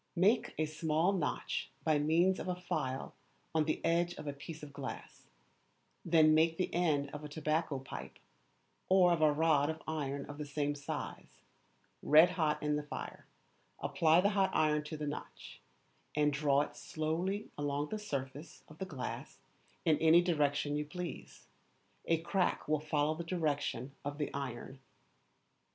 Make a small notch by means of a file on the edge of a piece of glass, then make the end of a tobacco pipe, or of a rod of iron of the same size, red hot in the fire, apply the hot iron to the notch, and draw it slowly along the surface of the glass in any direction you please: a crack will follow the direction of the iron.